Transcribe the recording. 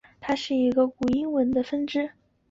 它是中古英语的一个分支。